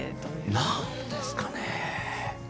なんですかね。